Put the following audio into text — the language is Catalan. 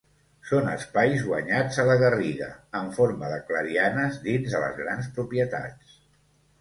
Són espais guanyats a la garriga, en forma de clarianes dins de les grans propietats.